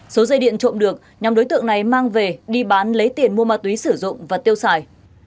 số dây điện trộm được nhóm đối tượng này mang về đi bán lấy tiền mua ma túy sử dụng và tiêu xài